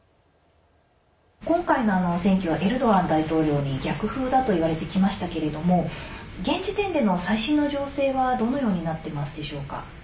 今回の選挙はエルドアン大統領に逆風だといわれてきましたけども現時点での最新の情勢はどのようになってますでしょうか。